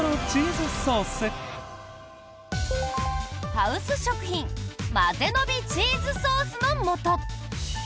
ハウス食品まぜのびチーズソースの素。